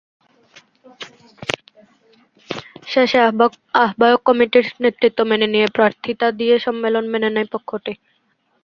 শেষে আহ্বায়ক কমিটির নেতৃত্ব মেনে নিয়ে প্রার্থিতা দিয়ে সম্মেলন মেনে নেয় পক্ষটি।